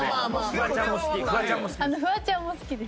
「フワちゃんも好きです」。